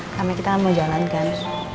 karena kita mau jalan kan